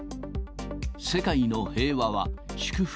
世界の平和は祝福